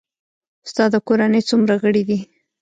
ستا د کورنۍ څومره غړي دي؟